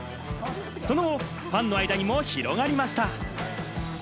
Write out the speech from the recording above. その後、ファンの間にも広がりました。